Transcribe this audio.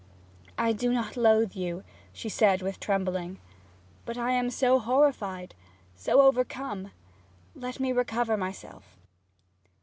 'I do not loathe you,' she said with trembling. 'But I am so horrified so overcome! Let me recover myself.